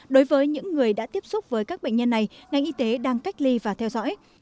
đối với những người đã tiếp xúc với các bệnh nhân này ngành y tế đang cách ly và theo dõi